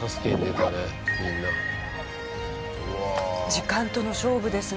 時間との勝負ですね。